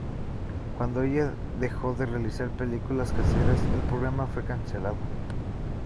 Cuando ella dejó de realizar películas caseras, el programa fue cancelado.